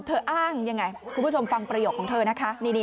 อ้างยังไงคุณผู้ชมฟังประโยคของเธอนะคะ